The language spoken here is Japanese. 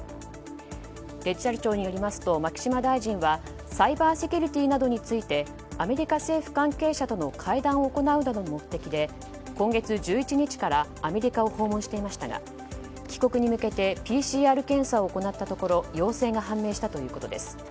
デジタル庁によりますと牧島大臣はサイバーセキュリティーなどについてアメリカ政府関係者などと会談を行うなどの目的で今月１１日からアメリカを訪問していましたが帰国に向けてＰＣＲ検査を行ったところ陽性が判明したということです。